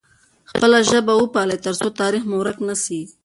خپله ژبه وپالئ ترڅو تاریخ مو ورک نه سي.